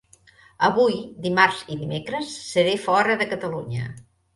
Avui, dimarts i dimecres seré fora de Catalunya.